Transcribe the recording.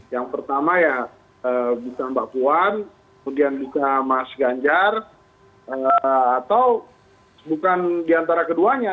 yang pertama ya bukan mbak puan kemudian bukan mas ganjar atau bukan diantara keduanya